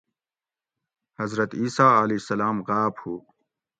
حضرت عیسٰی علیہ السلام غاۤپ ہُو